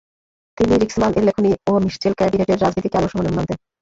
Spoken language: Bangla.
তিনি রিক্সমাল এর লেখনী ও মিসচেল ক্যাবিনেটের রাজনীতিকে আদর্শ হিসেবে মানতেন।